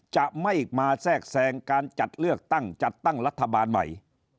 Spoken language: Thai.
จะไม่มาแทรกแทรงการจัดเลือกตั้งจัดตั้งรัฐบาลใหม่